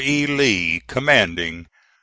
E. LEE, Commanding C.